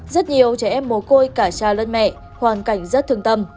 rất nhiều trẻ em mồ côi cả cha lẫn mẹ hoàn cảnh rất thương tâm